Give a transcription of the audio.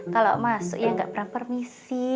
kalau masuk ya nggak pernah permisi